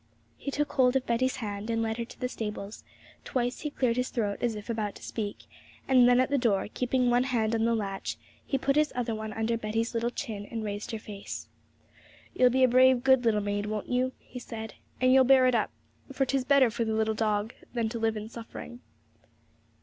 He took hold of Betty's hand, and led her to the stables; twice he cleared his throat, as if about to speak, and then at the door, keeping one hand on the latch, he put his other one under Betty's little chin and raised her face. 'You'll be a brave, good little maid, won't you?' he said, 'and you'll bear up, for 'tis better for the little dog than to live in suffering.'